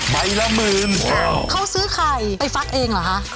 ใบละหมื่นเขาซื้อไข่ไปฟักเองเหรอคะ